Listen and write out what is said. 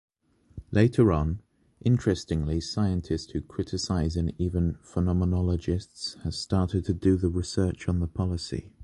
Later on, Interestingly scientist who criticize and even phenomenologists has started to do the research on the policy.